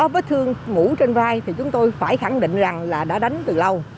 vết thương ngủ trên vai thì chúng tôi phải khẳng định rằng là đã đánh từ lâu